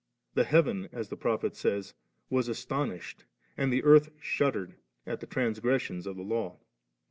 * The heaven,' as the Prophet says, *was astonished, and the earth shuddered »' at the transgression of the Law.